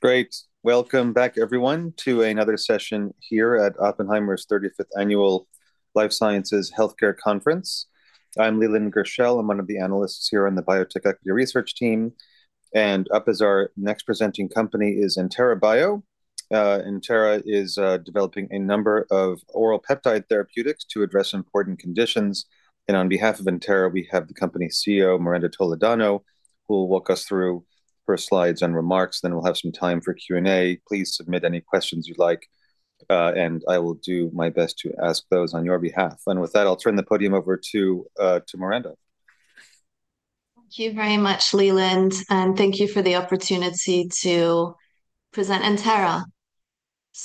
Great. Welcome back, everyone, to another session here at Oppenheimer's 35th Annual Life Sciences Healthcare Conference. I'm Leland Gershell. I'm one of the analysts here on the Biotech Equity Research team. Up as our next presenting company is Entera Bio. Entera is developing a number of oral peptide therapeutics to address important conditions. On behalf of Entera, we have the company CEO, Miranda Toledano, who will walk us through her slides and remarks. We will have some time for Q&A. Please submit any questions you'd like, and I will do my best to ask those on your behalf. With that, I'll turn the podium over to Miranda. Thank you very much, Leland. Thank you for the opportunity to present Entera.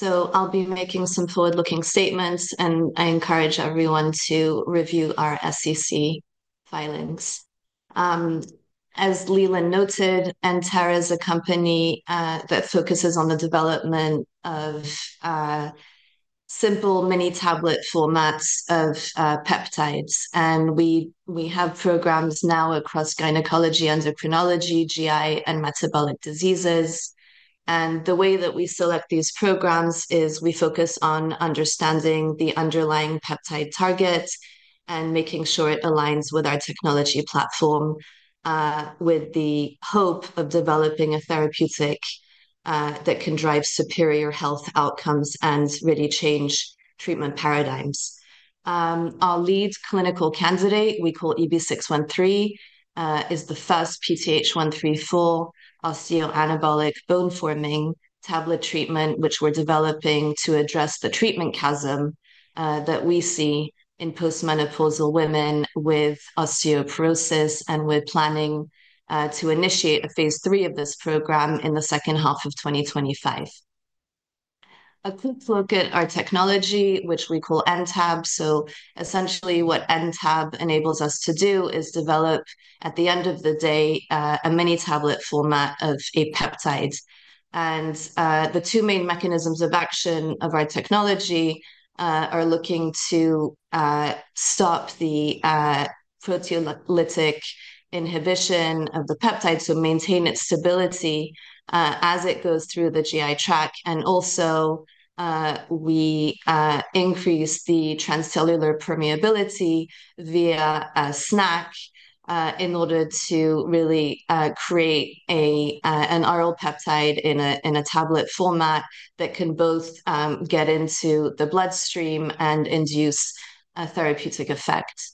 I'll be making some forward-looking statements, and I encourage everyone to review our SEC filings. As Leland noted, Entera is a company that focuses on the development of simple mini-tablet formats of peptides. We have programs now across gynecology, endocrinology, GI, and metabolic diseases. The way that we select these programs is we focus on understanding the underlying peptide target and making sure it aligns with our technology platform, with the hope of developing a therapeutic that can drive superior health outcomes and really change treatment paradigms. Our lead clinical candidate, we call EB613, is the first PTH(1-34) osteoanabolic bone-forming tablet treatment, which we're developing to address the treatment chasm that we see in postmenopausal women with osteoporosis. We are planning to initiate a phase three of this program in the second half of 2025. A quick look at our technology, which we call NTAB. Essentially, what NTAB enables us to do is develop, at the end of the day, a mini-tablet format of a peptide. The two main mechanisms of action of our technology are looking to stop the proteolytic inhibition of the peptide to maintain its stability as it goes through the GI tract. Also, we increase the transcellular permeability via a SNAC in order to really create an oral peptide in a tablet format that can both get into the bloodstream and induce a therapeutic effect.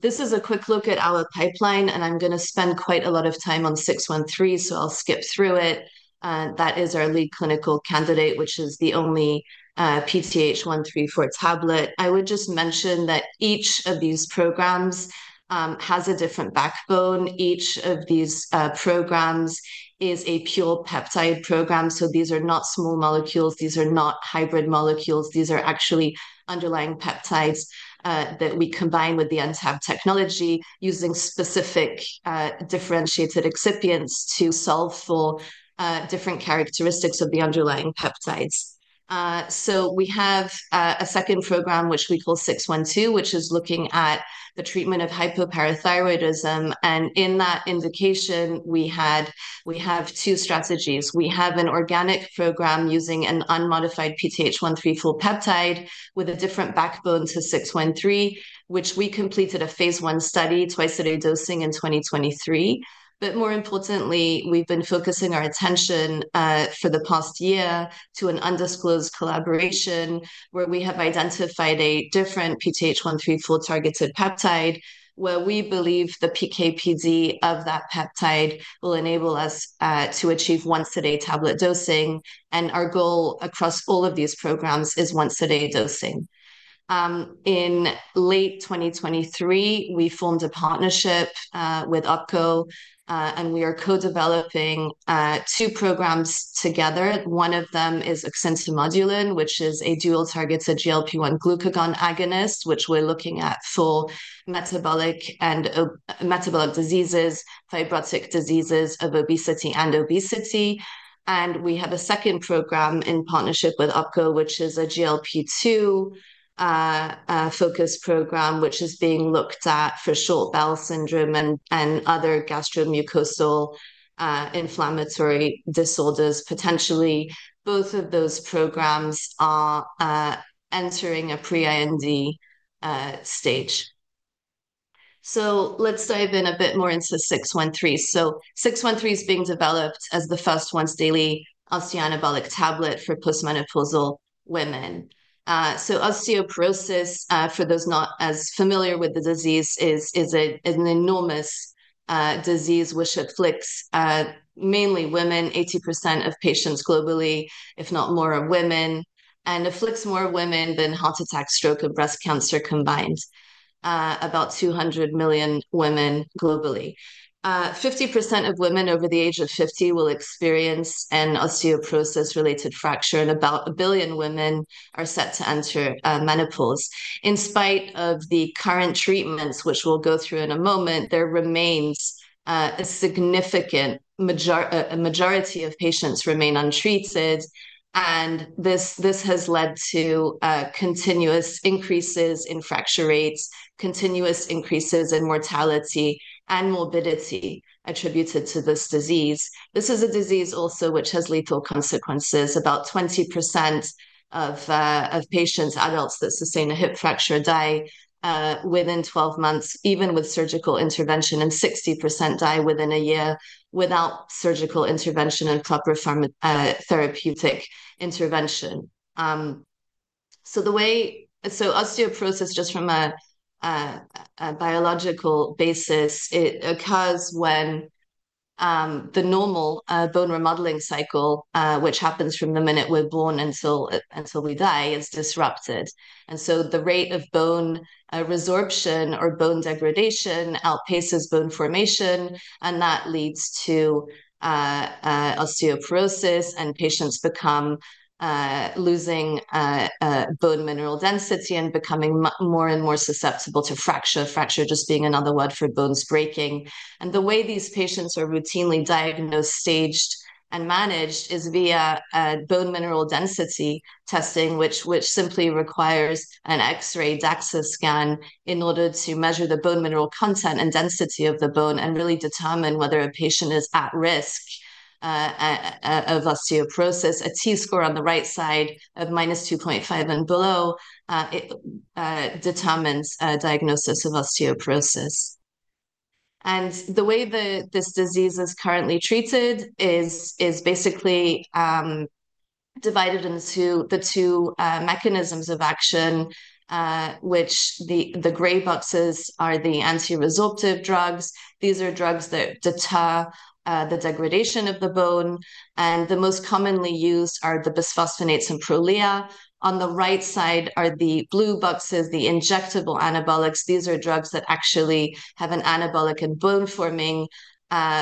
This is a quick look at our pipeline, and I'm going to spend quite a lot of time on 613, so I'll skip through it. That is our lead clinical candidate, which is the only PTH(1-34) tablet. I would just mention that each of these programs has a different backbone. Each of these programs is a pure peptide program. These are not small molecules. These are not hybrid molecules. These are actually underlying peptides that we combine with the NTAB technology using specific differentiated excipients to solve for different characteristics of the underlying peptides. We have a second program, which we call 612, which is looking at the treatment of hypoparathyroidism. In that indication, we have two strategies. We have an organic program using an unmodified PTH(1-34) peptide with a different backbone to 613, which we completed a phase one study, twice-a-day dosing in 2023. More importantly, we've been focusing our attention for the past year to an undisclosed collaboration where we have identified a different PTH(1-34) targeted peptide where we believe the PK/PD of that peptide will enable us to achieve once-a-day tablet dosing. Our goal across all of these programs is once-a-day dosing. In late 2023, we formed a partnership with OPCO, and we are co-developing two programs together. One of them is Exintemodulin, which is a dual-target, a GLP-1 glucagon agonist, which we're looking at for metabolic diseases, fibrotic diseases of obesity and obesity. We have a second program in partnership with OPCO, which is a GLP-2 focus program, which is being looked at for short bowel syndrome and other gastromucosal inflammatory disorders. Potentially, both of those programs are entering a pre-IND stage. Let's dive in a bit more into 613. 613 is being developed as the first once-daily osteoanabolic tablet for postmenopausal women. Osteoporosis, for those not as familiar with the disease, is an enormous disease which afflicts mainly women, 80% of patients globally, if not more, are women. It afflicts more women than heart attack, stroke, and breast cancer combined, about 200 million women globally. 50% of women over the age of 50 will experience an osteoporosis-related fracture, and about a billion women are set to enter menopause. In spite of the current treatments, which we'll go through in a moment, there remains a significant majority of patients remain untreated. This has led to continuous increases in fracture rates, continuous increases in mortality and morbidity attributed to this disease. This is a disease also which has lethal consequences. About 20% of patients, adults that sustain a hip fracture, die within 12 months, even with surgical intervention, and 60% die within a year without surgical intervention and proper therapeutic intervention. Osteoporosis, just from a biological basis, it occurs when the normal bone remodeling cycle, which happens from the minute we're born until we die, is disrupted. The rate of bone resorption or bone degradation outpaces bone formation, and that leads to osteoporosis, and patients become losing bone mineral density and becoming more and more susceptible to fracture, fracture just being another word for bones breaking. The way these patients are routinely diagnosed, staged, and managed is via bone mineral density testing, which simply requires an X-ray DEXA scan in order to measure the bone mineral content and density of the bone and really determine whether a patient is at risk of osteoporosis. A T-score on the right side of minus 2.5 and below determines diagnosis of osteoporosis. The way that this disease is currently treated is basically divided into the two mechanisms of action, which the gray boxes are the anti-resorptive drugs. These are drugs that deter the degradation of the bone. The most commonly used are the bisphosphonates and Prolia. On the right side are the blue boxes, the injectable anabolics. These are drugs that actually have an anabolic and bone-forming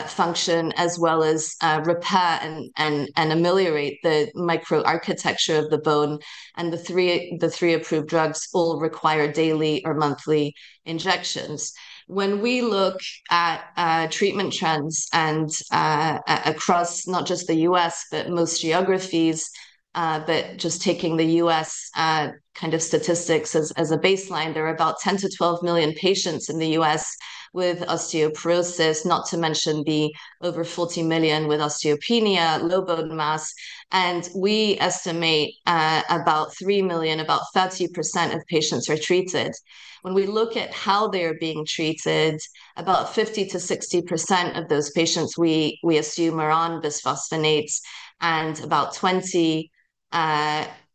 function, as well as repair and ameliorate the microarchitecture of the bone. The three approved drugs all require daily or monthly injections. When we look at treatment trends across not just the U.S., but most geographies, but just taking the U.S. kind of statistics as a baseline, there are about 10-12 million patients in the U.S. with osteoporosis, not to mention the over 40 million with osteopenia, low bone mass. We estimate about 3 million, about 30% of patients are treated. When we look at how they are being treated, about 50-60% of those patients we assume are on bisphosphonates, and about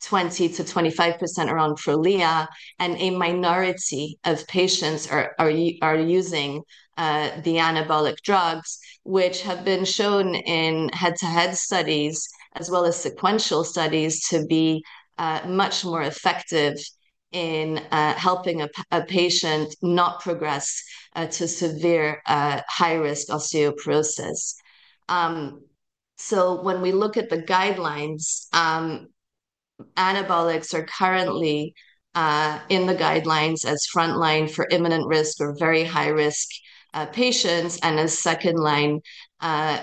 20-25% are on Prolia. A minority of patients are using the anabolic drugs, which have been shown in head-to-head studies, as well as sequential studies, to be much more effective in helping a patient not progress to severe high-risk osteoporosis. When we look at the guidelines, anabolics are currently in the guidelines as frontline for imminent risk or very high-risk patients, and as second line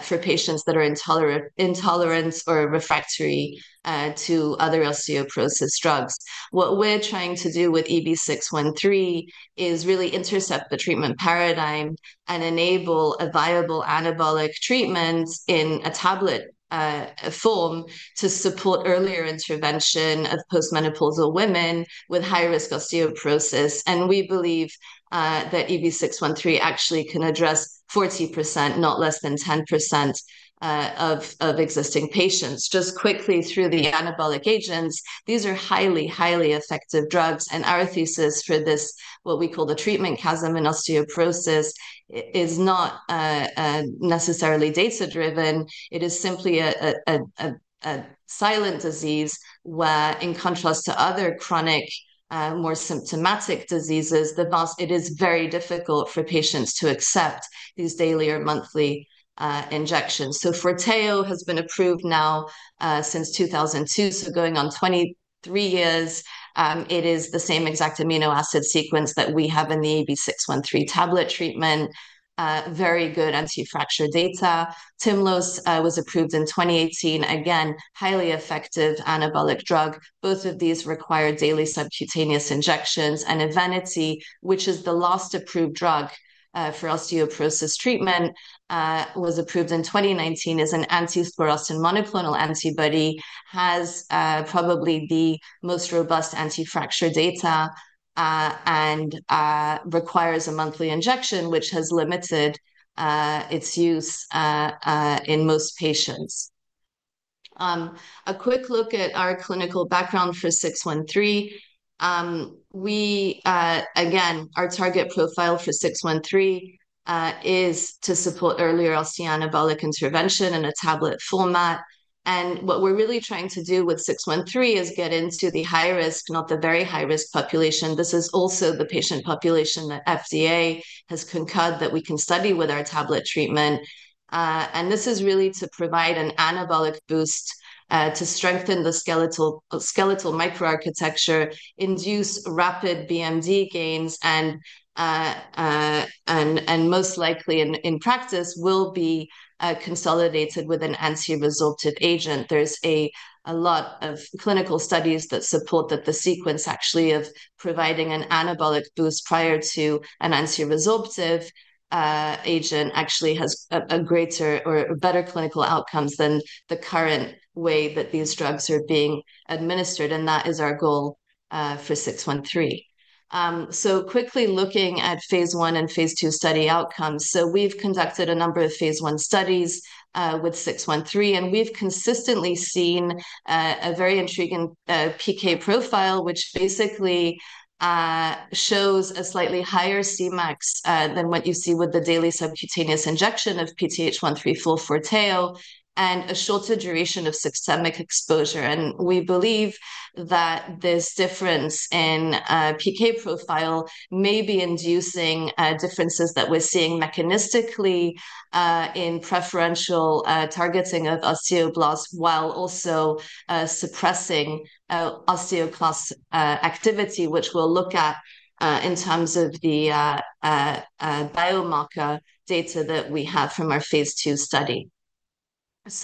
for patients that are intolerant or refractory to other osteoporosis drugs. What we're trying to do with EB613 is really intercept the treatment paradigm and enable a viable anabolic treatment in a tablet form to support earlier intervention of postmenopausal women with high-risk osteoporosis. We believe that EB613 actually can address 40%, not less than 10% of existing patients. Just quickly through the anabolic agents, these are highly, highly effective drugs. Our thesis for this, what we call the treatment chasm in osteoporosis, is not necessarily data-driven. It is simply a silent disease where, in contrast to other chronic, more symptomatic diseases, it is very difficult for patients to accept these daily or monthly injections. Forteo has been approved now since 2002, so going on 23 years. It is the same exact amino acid sequence that we have in the EB613 tablet treatment, very good anti-fracture data. Tymlos was approved in 2018, again, highly effective anabolic drug. Both of these require daily subcutaneous injections. Evenity, which is the last approved drug for osteoporosis treatment, was approved in 2019 as an anti-sclerostin monoclonal antibody, has probably the most robust anti-fracture data, and requires a monthly injection, which has limited its use in most patients. A quick look at our clinical background for 613. Again, our target profile for 613 is to support earlier osteoanabolic intervention in a tablet format. What we're really trying to do with 613 is get into the high-risk, not the very high-risk population. This is also the patient population that FDA has concurred that we can study with our tablet treatment. This is really to provide an anabolic boost to strengthen the skeletal microarchitecture, induce rapid BMD gains, and most likely in practice will be consolidated with an anti-resorptive agent. There are a lot of clinical studies that support that the sequence actually of providing an anabolic boost prior to an anti-resorptive agent actually has greater or better clinical outcomes than the current way that these drugs are being administered. That is our goal for 613. Quickly looking at phase one and phase two study outcomes. We have conducted a number of phase one studies with 613, and we have consistently seen a very intriguing PK profile, which basically shows a slightly higher Cmax than what you see with the daily subcutaneous injection of PTH(1-34) Forteo and a shorter duration of systemic exposure. We believe that this difference in PK profile may be inducing differences that we are seeing mechanistically in preferential targeting of osteoblasts while also suppressing osteoclast activity, which we will look at in terms of the biomarker data that we have from our phase two study.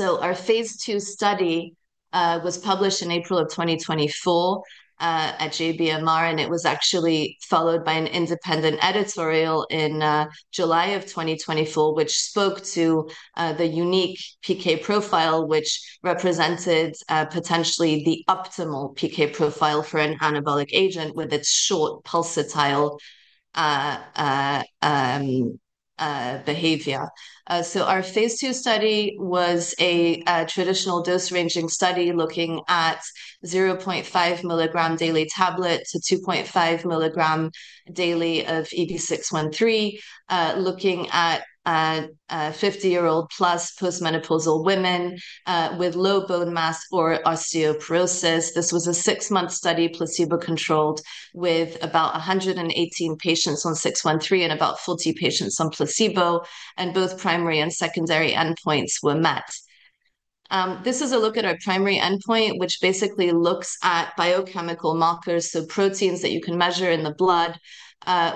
Our phase two study was published in April of 2024 at JBMR, and it was actually followed by an independent editorial in July of 2024, which spoke to the unique PK profile, which represented potentially the optimal PK profile for an anabolic agent with its short pulsatile behavior. Our phase two study was a traditional dose-ranging study looking at 0.5 milligram daily tablet to 2.5 milligram daily of EB613, looking at 50-year-old plus postmenopausal women with low bone mass or osteoporosis. This was a six-month study, placebo-controlled, with about 118 patients on 613 and about 40 patients on placebo, and both primary and secondary endpoints were met. This is a look at our primary endpoint, which basically looks at biochemical markers, so proteins that you can measure in the blood,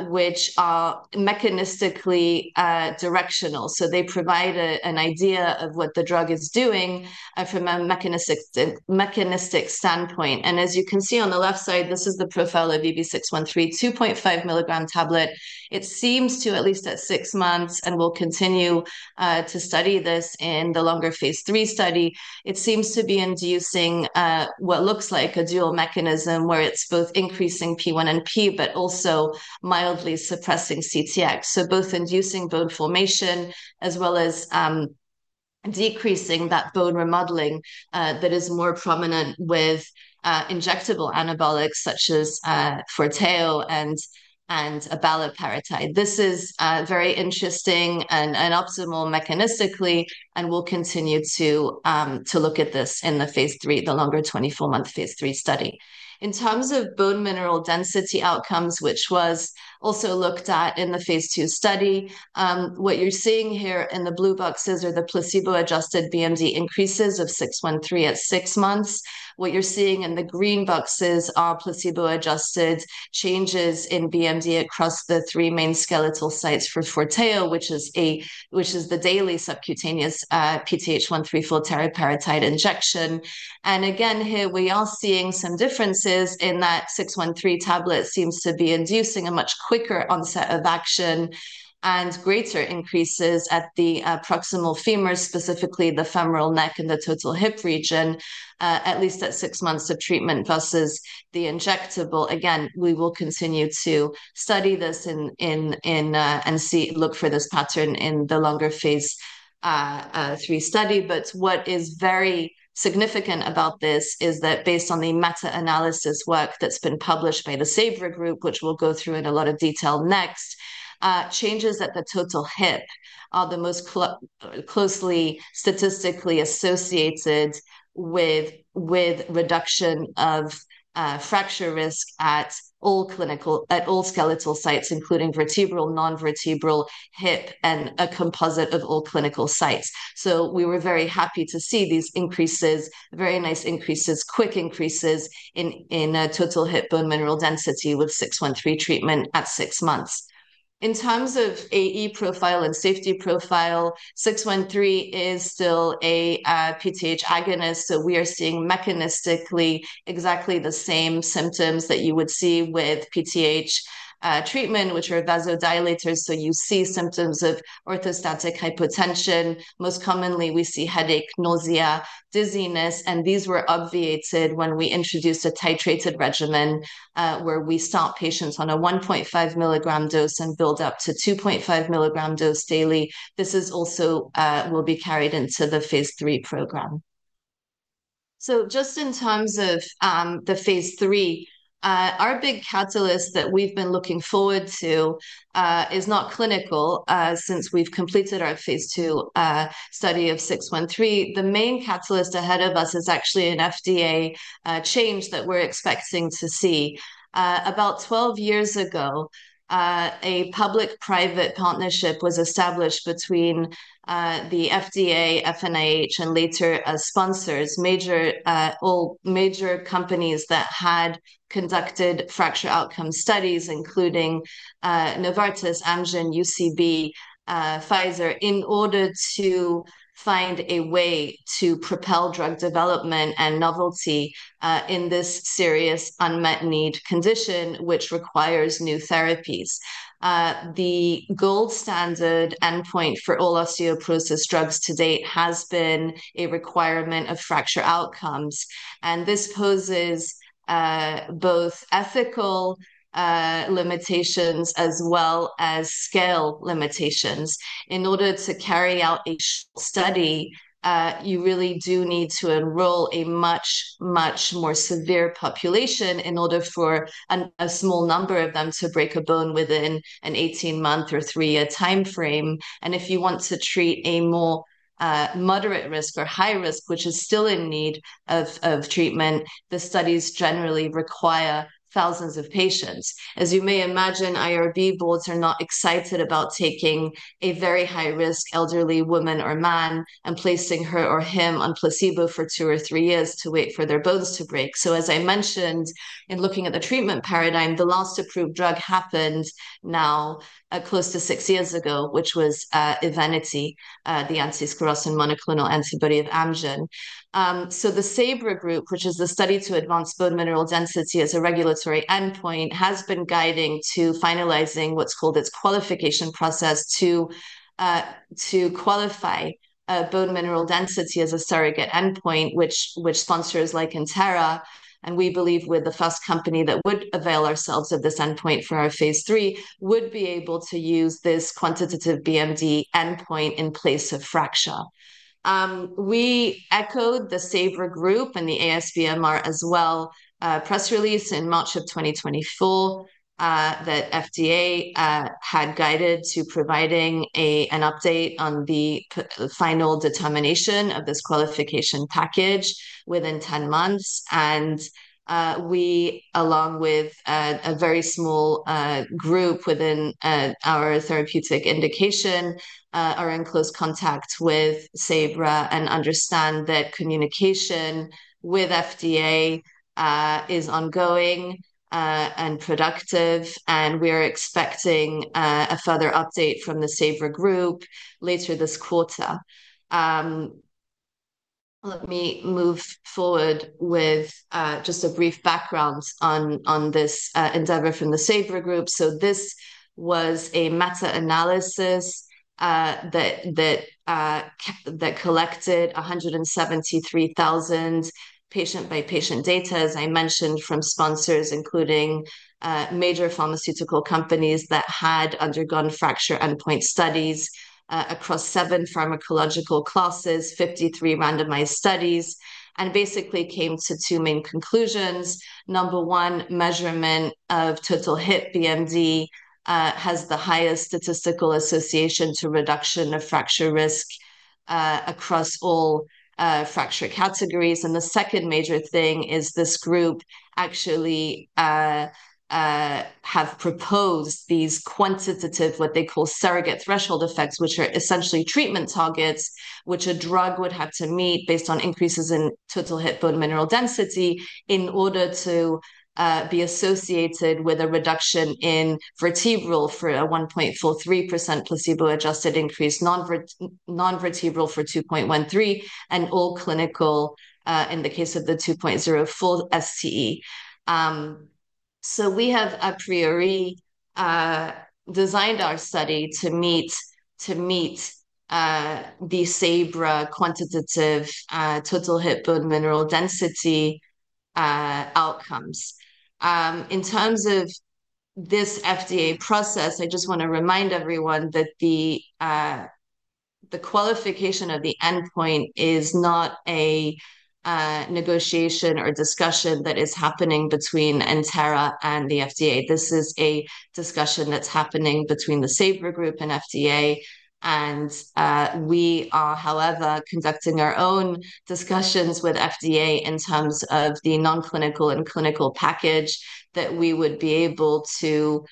which are mechanistically directional. They provide an idea of what the drug is doing from a mechanistic standpoint. As you can see on the left side, this is the profile of EB613, 2.5 milligram tablet. It seems to, at least at six months, and we'll continue to study this in the longer phase three study, it seems to be inducing what looks like a dual mechanism where it's both increasing P1NP, but also mildly suppressing CTX. Both inducing bone formation as well as decreasing that bone remodeling that is more prominent with injectable anabolics such as Forteo and abaloparatide. This is very interesting and optimal mechanistically, and we'll continue to look at this in the phase three, the longer 24-month phase three study. In terms of bone mineral density outcomes, which was also looked at in the phase two study, what you're seeing here in the blue boxes are the placebo-adjusted BMD increases of 613 at six months. What you're seeing in the green boxes are placebo-adjusted changes in BMD across the three main skeletal sites for Forteo, which is the daily subcutaneous PTH(1-34) Teriparatide injection. Here we are seeing some differences in that 613 tablet seems to be inducing a much quicker onset of action and greater increases at the proximal femur, specifically the femoral neck and the total hip region, at least at six months of treatment versus the injectable. We will continue to study this and look for this pattern in the longer phase three study. What is very significant about this is that based on the meta-analysis work that's been published by the SABRE group, which we'll go through in a lot of detail next, changes at the total hip are the most closely statistically associated with reduction of fracture risk at all skeletal sites, including vertebral, non-vertebral, hip, and a composite of all clinical sites. We were very happy to see these increases, very nice increases, quick increases in total hip bone mineral density with 613 treatment at six months. In terms of AE profile and safety profile, 613 is still a PTH agonist, so we are seeing mechanistically exactly the same symptoms that you would see with PTH treatment, which are vasodilators. You see symptoms of orthostatic hypotension. Most commonly, we see headache, nausea, dizziness, and these were obviated when we introduced a titrated regimen where we stopped patients on a 1.5 milligram dose and built up to 2.5 milligram dose daily. This also will be carried into the phase three program. Just in terms of the phase three, our big catalyst that we've been looking forward to is not clinical since we've completed our phase two study of 613. The main catalyst ahead of us is actually an FDA change that we're expecting to see. About 12 years ago, a public-private partnership was established between the FDA, FNIH, and later sponsors, all major companies that had conducted fracture outcome studies, including Novartis, Amgen, UCB, Pfizer, in order to find a way to propel drug development and novelty in this serious unmet need condition, which requires new therapies. The gold standard endpoint for all osteoporosis drugs to date has been a requirement of fracture outcomes. This poses both ethical limitations as well as scale limitations. In order to carry out a study, you really do need to enroll a much, much more severe population in order for a small number of them to break a bone within an 18-month or three-year timeframe. If you want to treat a more moderate risk or high risk, which is still in need of treatment, the studies generally require thousands of patients. As you may imagine, IRB boards are not excited about taking a very high-risk elderly woman or man and placing her or him on placebo for two or three years to wait for their bones to break. As I mentioned, in looking at the treatment paradigm, the last approved drug happened now close to six years ago, which was Evenity, the anti-sclerostin monoclonal antibody of Amgen. The SABRE group, which is the Study to Advance Bone Mineral Density as a Regulatory Endpoint, has been guiding to finalizing what's called its qualification process to qualify bone mineral density as a surrogate endpoint, which sponsors like Entera. We believe the first company that would avail ourselves of this endpoint for our phase three would be able to use this quantitative BMD endpoint in place of fracture. We echoed the SABRE group and the ASBMR as well press release in March of 2024 that FDA had guided to providing an update on the final determination of this qualification package within 10 months. We, along with a very small group within our therapeutic indication, are in close contact with SABRE and understand that communication with FDA is ongoing and productive. We are expecting a further update from the SABRE group later this quarter. Let me move forward with just a brief background on this endeavor from the SABRE group. This was a meta-analysis that collected 173,000 patient-by-patient data, as I mentioned, from sponsors, including major pharmaceutical companies that had undergone fracture endpoint studies across seven pharmacological classes, 53 randomized studies, and basically came to two main conclusions. Number one, measurement of total hip BMD has the highest statistical association to reduction of fracture risk across all fracture categories. The second major thing is this group actually have proposed these quantitative, what they call surrogate threshold effects, which are essentially treatment targets which a drug would have to meet based on increases in total hip bone mineral density in order to be associated with a reduction in vertebral for a 1.43% placebo-adjusted increase, non-vertebral for 2.13%, and all clinical in the case of the 2.04% STE. We have a priori designed our study to meet the SABRE quantitative total hip bone mineral density outcomes. In terms of this FDA process, I just want to remind everyone that the qualification of the endpoint is not a negotiation or discussion that is happening between Entera and the FDA. This is a discussion that's happening between the SABRE group and FDA. We are, however, conducting our own discussions with FDA in terms of the non-clinical and clinical package that we would be able to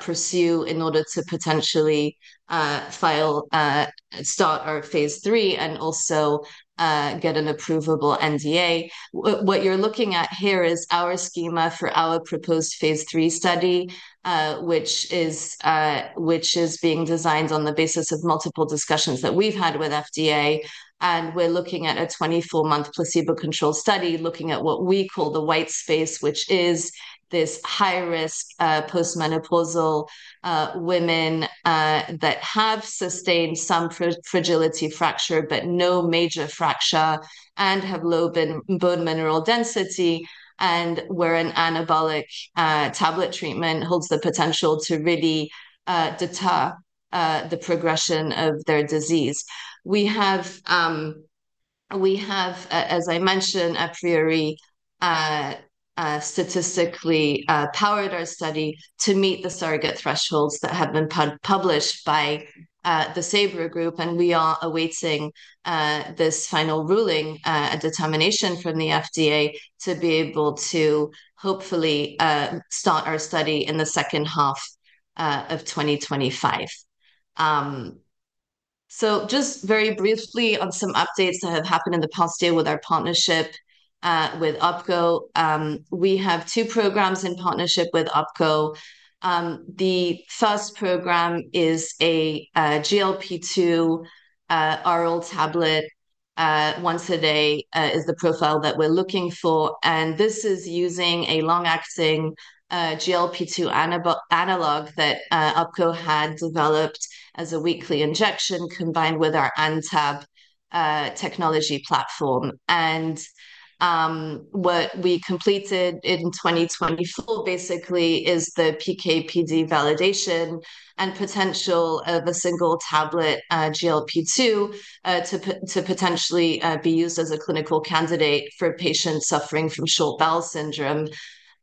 pursue in order to potentially start our phase three and also get an approvable NDA. What you're looking at here is our schema for our proposed phase three study, which is being designed on the basis of multiple discussions that we've had with FDA. We're looking at a 24-month placebo-controlled study looking at what we call the white space, which is this high-risk postmenopausal women that have sustained some fragility fracture, but no major fracture, and have low bone mineral density, and where an anabolic tablet treatment holds the potential to really deter the progression of their disease. We have, as I mentioned, a priori statistically powered our study to meet the surrogate thresholds that have been published by the SABRE group. We are awaiting this final ruling, a determination from the FDA to be able to hopefully start our study in the second half of 2025. Just very briefly on some updates that have happened in the past year with our partnership with OPCO. We have two programs in partnership with OPCO. The first program is a GLP-2 RL tablet once a day is the profile that we're looking for. This is using a long-acting GLP-2 analog that OPCO had developed as a weekly injection combined with our NTAB technology platform. What we completed in 2024 basically is the PK/PD validation and potential of a single tablet GLP-2 to potentially be used as a clinical candidate for patients suffering from short bowel syndrome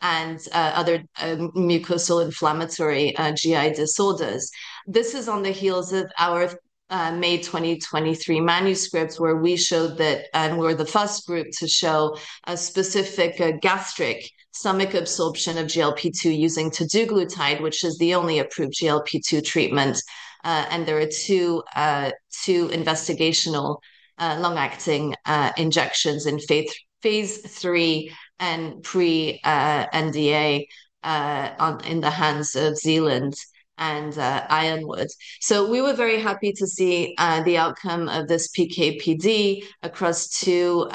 and other mucosal inflammatory GI disorders. This is on the heels of our May 2023 manuscripts where we showed that, and we're the first group to show a specific gastric stomach absorption of GLP-2 using teduglutide, which is the only approved GLP-2 treatment. There are two investigational long-acting injections in phase three and pre-NDA in the hands of Zealand Pharma and Ironwood. We were very happy to see the outcome of this PK/PD across two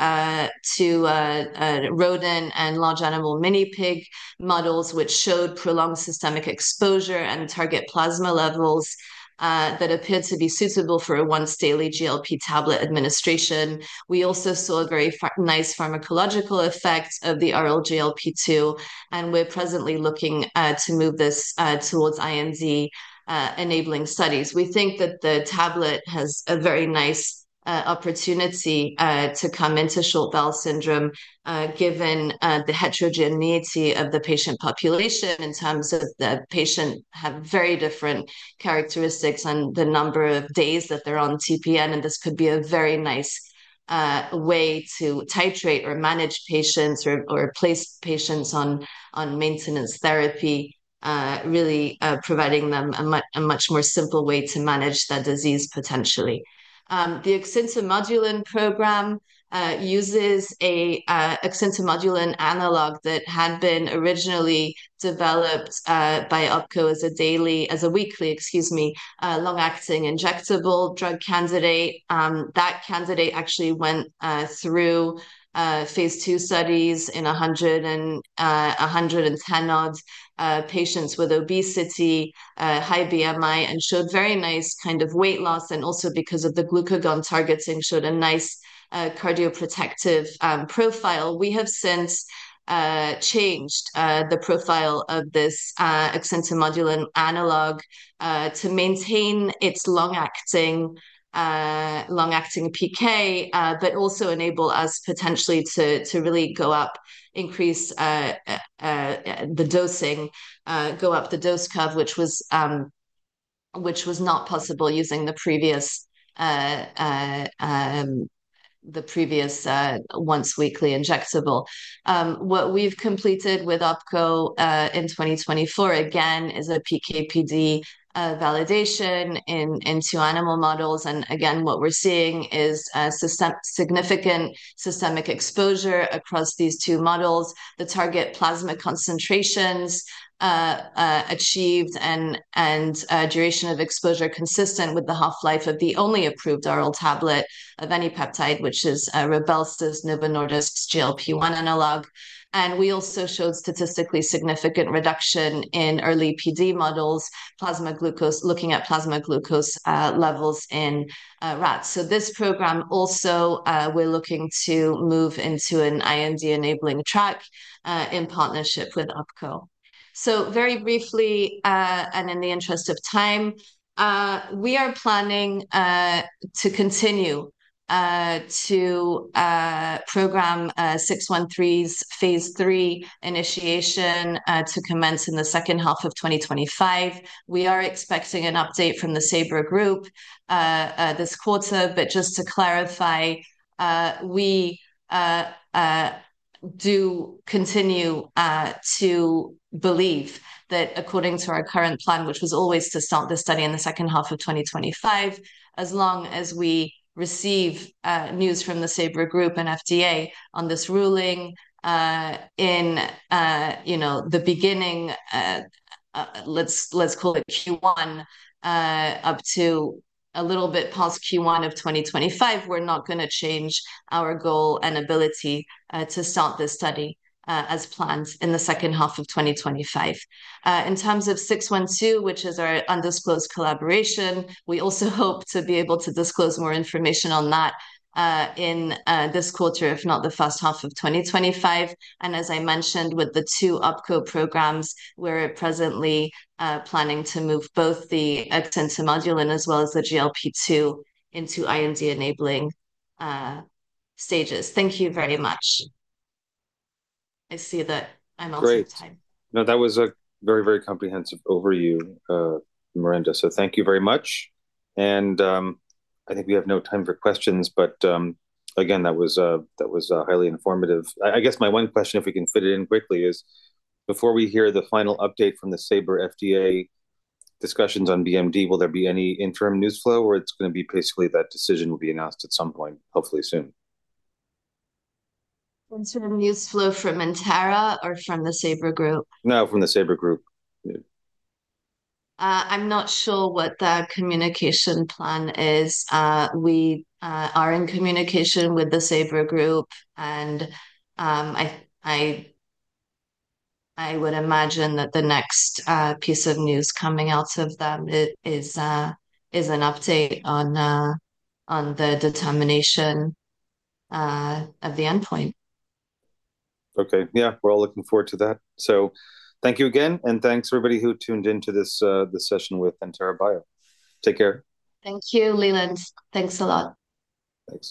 rodent and large animal minipig models, which showed prolonged systemic exposure and target plasma levels that appeared to be suitable for a once-daily GLP-2 tablet administration. We also saw a very nice pharmacological effect of the oral GLP-2, and we're presently looking to move this towards IND enabling studies. We think that the tablet has a very nice opportunity to come into short bowel syndrome given the heterogeneity of the patient population in terms of the patient having very different characteristics and the number of days that they're on TPN. This could be a very nice way to titrate or manage patients or place patients on maintenance therapy, really providing them a much more simple way to manage that disease potentially. The Exintemodulin program uses an Exintemodulin analog that had been originally developed by OPCO as a weekly, excuse me, long-acting injectable drug candidate. That candidate actually went through phase two studies in 110-odd patients with obesity, high BMI, and showed very nice kind of weight loss. Also, because of the glucagon targeting, showed a nice cardioprotective profile. We have since changed the profile of this Exintemodulin analog to maintain its long-acting PK, but also enable us potentially to really go up, increase the dosing, go up the dose curve, which was not possible using the previous once-weekly injectable. What we have completed with OPCO in 2024, again, is a PK/PD validation in animal models. Again, what we are seeing is significant systemic exposure across these two models, the target plasma concentrations achieved, and duration of exposure consistent with the half-life of the only approved oral tablet of any peptide, which is Rybelsus, Novo Nordisk's GLP-1 analog. We also showed statistically significant reduction in early PD models, looking at plasma glucose levels in rats. This program, also, we are looking to move into an IND enabling track in partnership with OPCO. Very briefly, and in the interest of time, we are planning to continue to program 613's phase three initiation to commence in the second half of 2025. We are expecting an update from the SABRE group this quarter. Just to clarify, we do continue to believe that, according to our current plan, which was always to start the study in the second half of 2025, as long as we receive news from the SABRE group and FDA on this ruling in the beginning, let's call it Q1, up to a little bit past Q1 of 2025, we're not going to change our goal and ability to start this study as planned in the second half of 2025. In terms of 612, which is our undisclosed collaboration, we also hope to be able to disclose more information on that in this quarter, if not the first half of 2025. As I mentioned, with the two OPCO programs, we're presently planning to move both the Exintemodulin as well as the GLP-2 into IND enabling stages. Thank you very much. I see that I'm out of time. Great. That was a very, very comprehensive overview, Miranda. Thank you very much. I think we have no time for questions. Again, that was highly informative. I guess my one question, if we can fit it in quickly, is before we hear the final update from the SABRE FDA discussions on BMD, will there be any interim news flow or is it going to be basically that decision will be announced at some point, hopefully soon? Interim news flow from Entera or from the SABRE group? No, from the SABRE group. I'm not sure what the communication plan is. We are in communication with the SABRE group. I would imagine that the next piece of news coming out of them is an update on the determination of the endpoint. Okay. Yeah, we're all looking forward to that. Thank you again. And thanks to everybody who tuned into this session with Entera Bio. Take care. Thank you, Leland. Thanks a lot. Thanks.